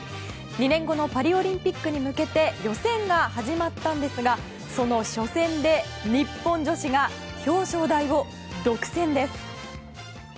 ２年後のパリオリンピックに向けて予選が始まったんですがその初戦で日本女子が表彰台を独占です。